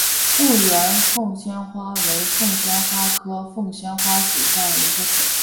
婺源凤仙花为凤仙花科凤仙花属下的一个种。